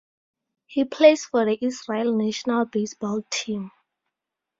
He plays for the Israel National Baseball Team.